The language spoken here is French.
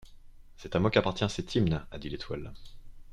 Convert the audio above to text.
― C’est à moi qu’appartient cet hymne, a dit l’étoile.